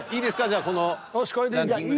じゃあこのランキングで。